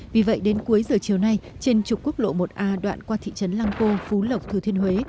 vì vậy đến cuối giờ chiều nay trên trục quốc lộ một a đoạn qua thị trấn lang co phú lập thừa thiên huế